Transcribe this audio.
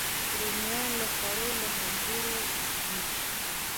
رومیان د خوړو له ملګرو دي